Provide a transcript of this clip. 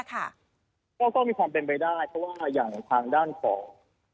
ก็มีความเป็นไปได้เพราะว่าอย่างทางด้านของ